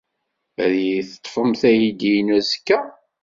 Ad iyi-teṭṭfemt aydi-inu azekka?